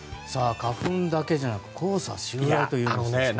花粉だけじゃなく黄砂襲来というニュースが。